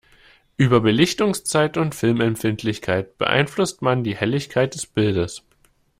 Über Belichtungszeit und Filmempfindlichkeit beeinflusst man die Helligkeit des Bildes.